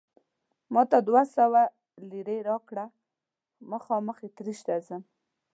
ما ته دوه سوه لیرې راکړه، مخامخ اتریش ته ځم.